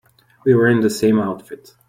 We were in the same outfit.